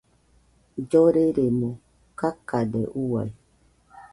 Lloreremo kakade uai.